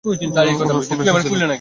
উনার ফোন এসেছিল।